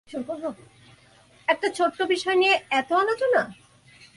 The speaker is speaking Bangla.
একটা ছোট্ট বিষয় নিয়ে এত আলোচনা।